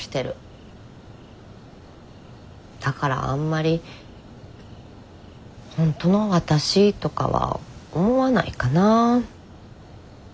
だからあんまり本当のわたしとかは思わないかな。